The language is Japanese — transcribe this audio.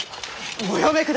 おやめくだされ！